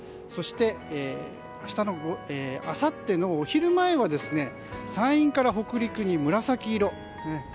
そして、あさってのお昼前は山陰から北陸に紫色。